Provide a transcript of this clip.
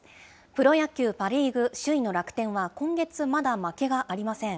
プロ野球、パ・リーグ、首位の楽天は今月、まだ負けがありません。